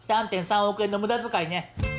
３．３億円の無駄遣いね。